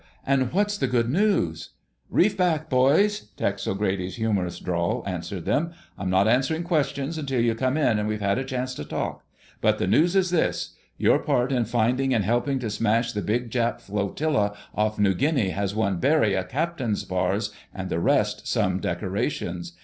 And what's the good news?" "Reef back, boys!" Tex O'Grady's humorous drawl answered them. "I'm not answering questions until you come in and we have a chance to talk. But the news is this: Your part in finding and helping to smash the big Jap flotilla off New Guinea has won Barry a captain's bars and the rest some decorations.